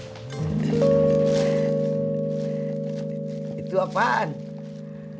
gue juga pengen nyari pahala bareng lu